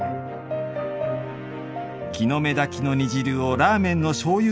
「木の芽煮」の煮汁をラーメンのしょうゆ